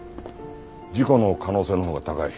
事故の可能性のほうが高い。